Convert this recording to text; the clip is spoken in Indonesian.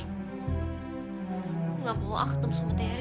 aku gak mau akut sama terry